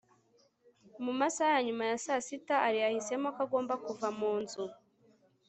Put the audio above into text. mu masaha ya nyuma ya saa sita, alain yahisemo ko agomba kuva mu nzu